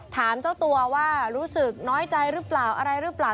ถามเจ้าตัวว่ารู้สึกน้อยใจหรือเปล่าอะไรหรือเปล่า